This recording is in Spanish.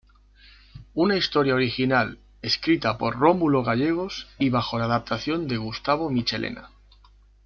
Una historia original escrita por Rómulo Gallegos y bajo la adaptación de Gustavo Michelena.